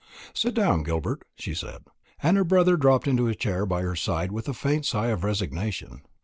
"Sit down, Gilbert," she said; and her brother dropped into a chair by her side with a faint sigh of resignation.